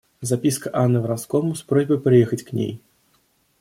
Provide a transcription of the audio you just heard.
Записка Анны Вронскому с просьбой приехать к ней.